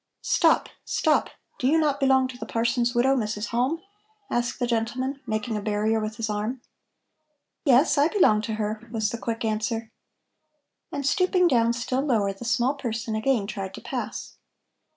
"Stop, stop! Do you not belong to the parson's widow, Mrs. Halm?" asked the gentleman, making a barrier with his arm. "Yes, I belong to her," was the quick answer. And stooping down still lower, the small person again tried to pass.